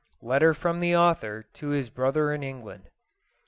Letter from the Author to his Brother in England.